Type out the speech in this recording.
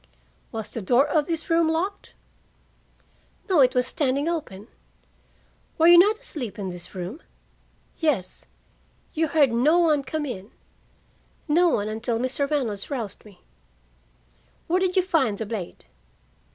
"Was the door of this room locked?" "No. It was standing open." "Were you not asleep in this room?" "Yes." "You heard no one come in?" "No one until Mr. Reynolds roused me." "Where did you find the blade?"